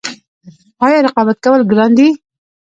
آیا رقابت کول ګران دي؟